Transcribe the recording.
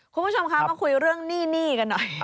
คุณผู้ชมคะมาคุยเรื่องหนี้กันหน่อย